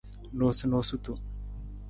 Noosunoosutu.